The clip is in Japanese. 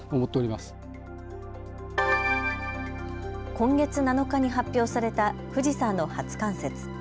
今月７日に発表された富士山の初冠雪。